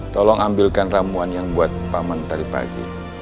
tolong ambilkan ramuan yang buat pak mandari pagi